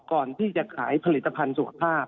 ก่อนที่จะขายผลิตภัณฑ์สุขภาพ